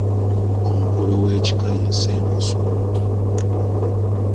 Omukulu w’ekika ye Ssenkusu.